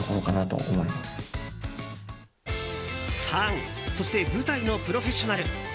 ファンそして舞台のプロフェッショナル